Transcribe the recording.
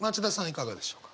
いかがでしょうか？